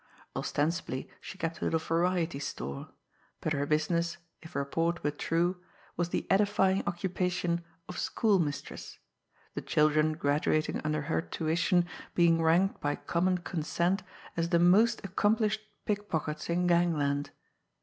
Ostensibly, she kept a little variety store; but her business, if report were true, was the edifying occupation of school mistress the children graduating under her tuition being ranked by common consent as the most accomplished pickpockets in gangland!